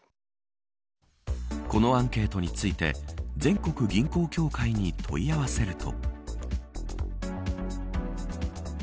このアンケートについて全国銀行協会に問い合わせると。